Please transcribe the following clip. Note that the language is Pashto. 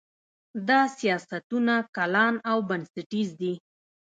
دا سیاستونه کلان او بنسټیز دي.